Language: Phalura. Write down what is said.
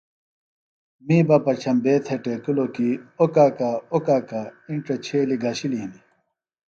می بہ پچھمبے تھےۡ ٹیکِلوۡ کیۡ اوۡ کاکا اوۡ کاکا اِنڇہ چھیلیۡ گھشِلیۡ ہِنیۡ